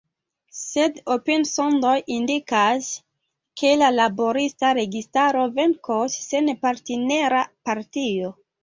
Sed opinisondoj indikas, ke la Laborista Registaro venkos sen partnera partio.